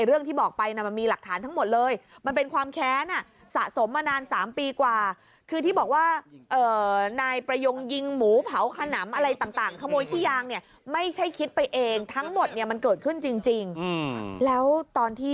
เรื่องที่บอกไปนะมันมีหลักฐานทั้งหมดเลย